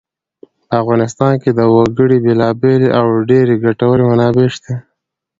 په افغانستان کې د وګړي بېلابېلې او ډېرې ګټورې منابع شته.